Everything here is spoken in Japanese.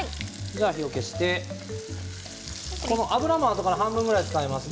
火を消して油もあとから半分ぐらい使います。